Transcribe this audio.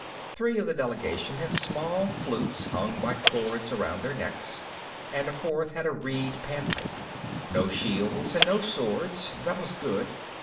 Three of the delegation had small flutes hung by cords around their necks, and a fourth had a reed Pan pipe. No shields, and no swords; that was good.